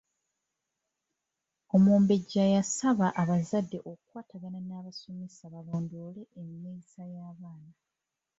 Omumbejja yasaba abazadde okukwatagana n’abasomesa balondoole enneeyisa y'abaana.